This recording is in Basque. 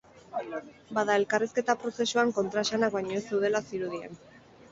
Bada, elkarrizketa prozesuan kontraesanak baino ez zeudela zirudien.